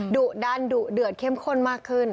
ดุดันดุเดือดเข้มข้นมากขึ้น